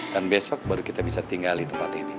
dan besok baru kita bisa tinggal di tempat ini